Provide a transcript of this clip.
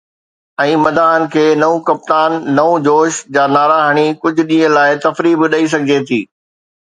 ۽ مداحن کي ”نئون ڪپتان، نئون جوش“ جا نعرا هڻي ڪجهه ڏينهن لاءِ تفريح به ڏئي سگهجي ٿي.